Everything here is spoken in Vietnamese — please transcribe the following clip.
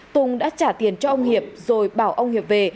tùng đã trả tiền cho ông hiệp rồi bảo ông hiệp về